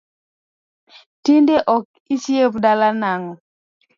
Tinde ok ichiem dala nang'o